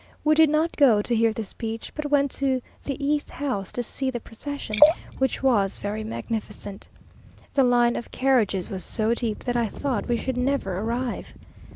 We did not go to hear the speech, but went to the E 's house to see the procession, which was very magnificent. The line of carriages was so deep, that I thought we should never arrive.